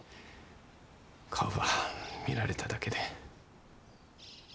顔ば見られただけで。